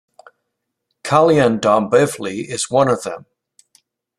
Kalyan-Dombivli is the one of them.